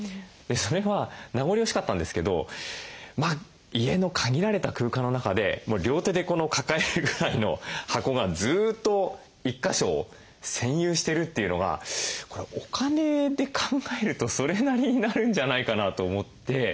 それは名残惜しかったんですけど家の限られた空間の中で両手で抱えるぐらいの箱がずっと一か所を専有してるっていうのはこれお金で考えるとそれなりになるんじゃないかなと思って。